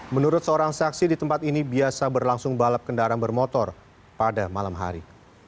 menurut seorang saksi di tempat ini biasa berlangsung balap kendaraan bermotor pada malam hari